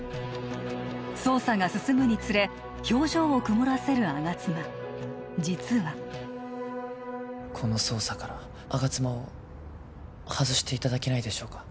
捜査が進むにつれ表情を曇らせる吾妻実はこの捜査から吾妻を外していただけないでしょうか